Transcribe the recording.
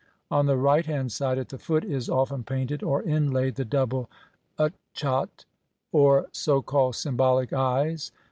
On the right hand side, at the foot, is often painted or inlaid the double utchat i?5|P fS or so called "symbolic eyes".